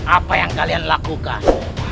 apa yang kalian lakukan